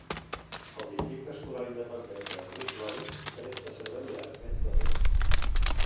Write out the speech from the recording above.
El districte escolar independent de Wink-Loving presta servei a Mentone.